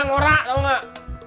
ngorak kamu nak